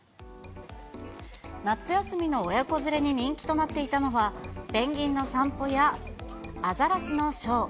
夏休みの親子連れに人気となっていたのは、ペンギンの散歩や、アザラシのショー。